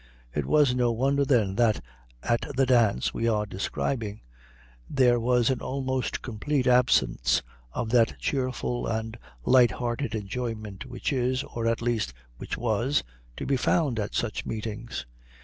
It was no wonder, then, that, at the dance we are describing, there was an almost complete absence of that cheerful and light hearted enjoyment which is, or at least which was, to be found at such meetings.